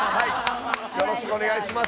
よろしくお願いします。